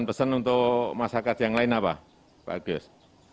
ada pesan untuk masyarakat yang lain apa pak argyus